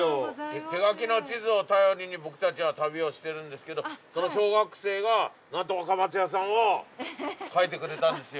手描きの地図を頼りに僕たちは旅をしてるんですけどその小学生がなんと「若松屋」さんを描いてくれたんですよ。